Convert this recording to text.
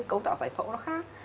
cấu tạo giải phẫu nó khác